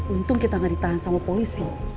untung kita nggak ditahan sama polisi